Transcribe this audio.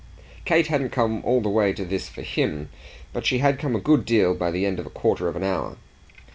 Kate hadn't come all the way to this for him, but she had come to a good deal by the end of a quarter of an hour.